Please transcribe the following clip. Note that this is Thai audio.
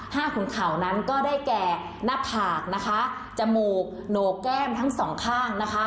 ขุนเข่านั้นก็ได้แก่หน้าผากนะคะจมูกโหนกแก้มทั้งสองข้างนะคะ